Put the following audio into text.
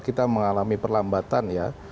kita mengalami perlambatan ya